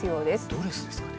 ドレスですかね。